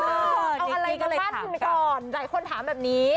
เออเอาอะไรก็มั่นก่อนหลายคนถามแบบนี้